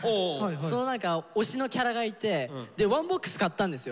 その推しのキャラがいてワンボックス買ったんですよ。